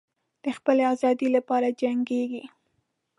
د خپلې آزادۍ لپاره جنګیږي.